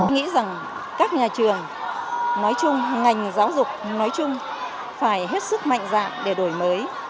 nghĩ rằng các nhà trường nói chung ngành giáo dục nói chung phải hết sức mạnh dạng để đổi mới